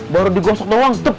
baru digosok doang